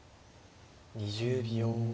２０秒。